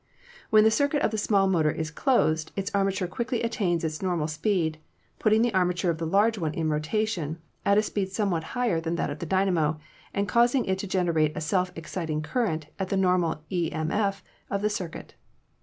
"When the circuit of the small motor is closed its arma ture quickly attains its normal speed, putting the arma ture of the large one in rotation, at a speed somewhat higher than that of the dynamo, and causing it to gen erate a self exciting current at the normal e.m.f. of the circuit.